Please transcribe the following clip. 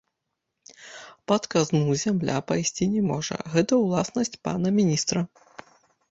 Пад казну зямля пайсці не можа, гэта ўласнасць пана міністра.